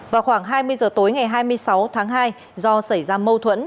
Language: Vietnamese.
vào khoảng hai mươi giờ tối ngày hai mươi sáu tháng hai do xảy ra mâu thuẫn